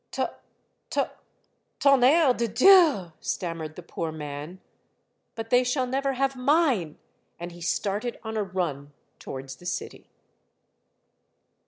" To ... To .,. Tonnerre de Dieu !" stam mered the poor man. " But they shall never have mine !" and he started on a run towards the city.